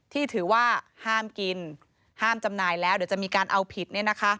ที่ถือว่าห้ามกินห้ามจำหน่ายแล้วเดี๋ยวจะมีการเอาผิด